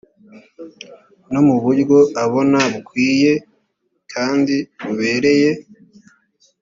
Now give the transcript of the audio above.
no muburyo abona bukwiye kandi bubereye